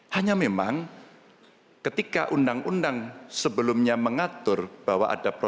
hanya memang ketika undang undang sebelumnya mengatur bahwa ada protokol